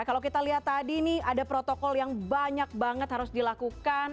kalau kita lihat tadi nih ada protokol yang banyak banget harus dilakukan